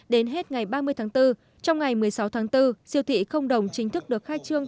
đến hết ngày ba mươi tháng bốn trong ngày một mươi sáu tháng bốn siêu thị không đồng chính thức được khai trương